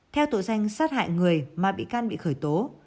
theo tội danh sát hại người mà bị can bị khởi tố